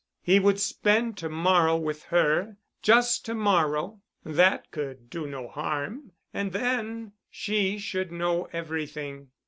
He would spend to morrow with her—just to morrow—that could do no harm and then—she should know everything.